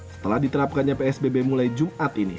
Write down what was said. setelah diterapkannya psbb mulai jumat ini